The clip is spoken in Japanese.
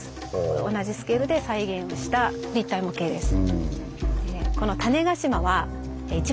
同じスケールで再現をした立体模型です。